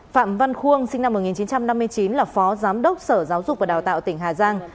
phạm văn khuôn sinh năm một nghìn chín trăm năm mươi chín là phó giám đốc sở giáo dục và đào tạo tỉnh hà giang